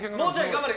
頑張れ！